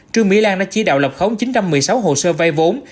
trương mỹ lan đã chỉ đạo lập khống chín trăm một mươi sáu hồ sơ vay vốn